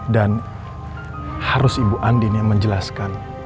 dan harus ibu andin yang menjelaskan